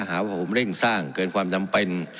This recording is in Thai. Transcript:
หาว่าผมเร่งสร้างเกินความจำเป็น